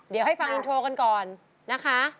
เดี๋ยวให้ฟังอินโทรกันก่อนนะคะ